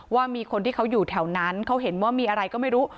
ว่ามีคนที่เขาอยู่แถวนั้นเขาเห็นว่ามีอะไรก็ไม่รู้